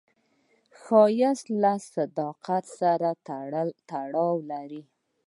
ښایست له صداقت سره تړاو لري